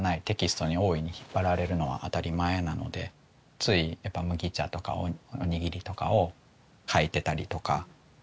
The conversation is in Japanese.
テキストに大いに引っ張られるのは当たり前なのでついやっぱ麦茶とかおにぎりとかを描いてたりとか。